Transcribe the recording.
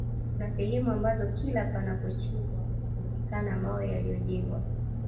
Kuna sehemu ambazo kila panapochimbwa huonekana mawe yaliyojengwa